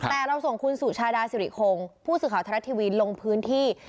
แต่เราส่งคุณสุชาดาสิริคงผู้สื่อข่าวไทยรัฐทีวีลงพื้นที่